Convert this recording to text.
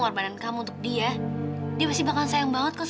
emang aku yang bodoh